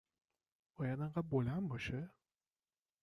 باید اینقدر بلند باشه؟